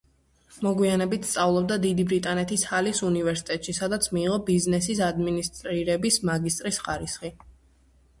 მოგვიანებით სწავლობდა დიდი ბრიტანეთის ჰალის უნივერსიტეტში, სადაც მიიღო ბიზნესის ადმინისტრირების მაგისტრის ხარისხი.